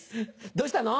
どうしたの？